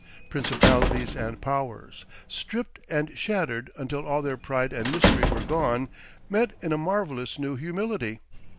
Principalities and powers, stripped and shattered until all their pride and mystery were gone, met in a marvellous new humility.